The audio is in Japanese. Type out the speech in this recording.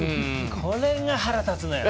これが腹立つのよ